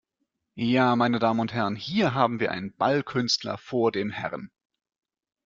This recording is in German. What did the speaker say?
Ja meine Damen und Herren, hier haben wir einen Ballkünstler vor dem Herrn!